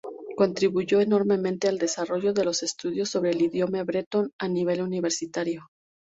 Contribuyó enormemente al desarrollo de los estudios sobre el idioma bretón a nivel universitario.